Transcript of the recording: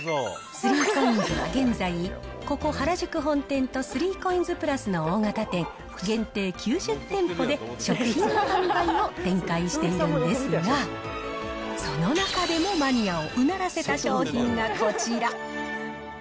３コインズは現在、ここ、原宿本店と３コインズプラスの大型店、限定９０店舗で食品の販売を展開しているんですが、その中でもマニアをうならせた商品がこちら。